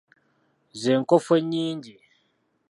Ze nkofu enyingi.